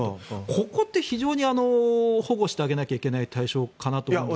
ここって非常に保護してあげなきゃいけない対象かなと思うんですが。